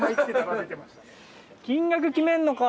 金額決めんのか。